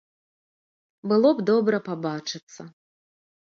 Было б добра пабачыцца.